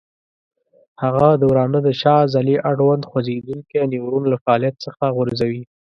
هغه د ورانه د شا عضلې اړوند خوځېدونکی نیورون له فعالیت څخه غورځوي.